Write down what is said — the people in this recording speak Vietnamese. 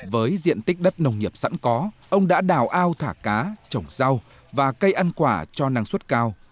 với diện tích đất nông nghiệp sẵn có ông đã đào ao thả cá trồng rau và cây ăn quả cho năng suất cao